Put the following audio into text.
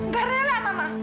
gak rela mama